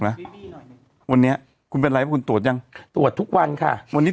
ไหมวันนี้คุณเป็นไรว่าคุณตรวจยังตรวจทุกวันค่ะวันนี้